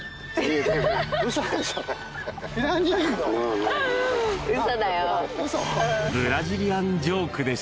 嘘だよ